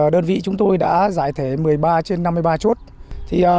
đơn vị chúng tôi đã giải thể một mươi ba trên năm mươi ba chốt